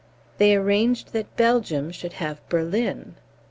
They arranged that Belgium should have Berlin!